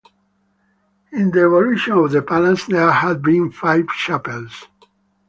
In the evolution of the palace, there have been five chapels.